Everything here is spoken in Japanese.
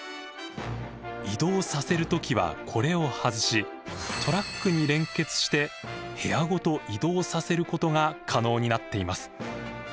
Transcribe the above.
移動させる時はこれを外しトラックに連結して部屋ごと移動させることが可能になっています。